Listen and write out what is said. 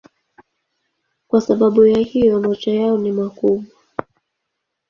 Kwa sababu ya hiyo macho yao ni makubwa.